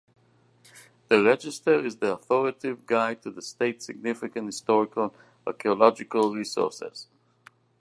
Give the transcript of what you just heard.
The Register is the authoritative guide to the state's significant historical and archaeological resources.